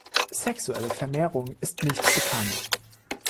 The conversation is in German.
Sexuelle Vermehrung ist nicht bekannt.